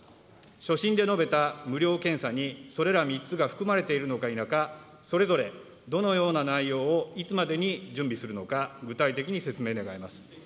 所信で述べた無料検査に、それら３つが含まれているのか否か、それぞれどのような内容をいつまでに準備するのか、具体的に説明願います。